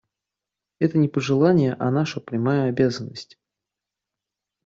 Это не пожелание, а наша прямая обязанность.